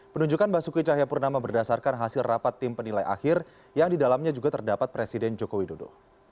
penunjukan basuki cahayapurnama berdasarkan hasil rapat tim penilai akhir yang didalamnya juga terdapat presiden joko widodo